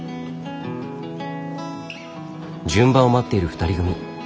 順番を待っている２人組。